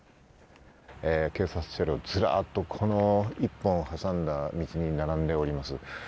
警察車両ずらっと一本挟んだ道に並んでいます。